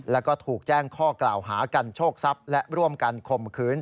แล้วก็ถูกแจ้งข้อกล่าวหากันโชคทรัพย์และร่วมกันข่มขืน